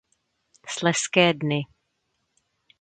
Slezské dny.